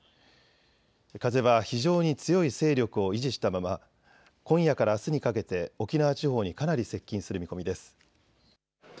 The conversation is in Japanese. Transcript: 風は非常に強い勢力を維持したまま今夜からあすにかけて沖縄地方にかなり接近する見込みです。